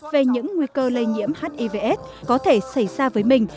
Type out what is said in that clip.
về những nguy cơ lây nhiễm hivs có thể xảy ra với mình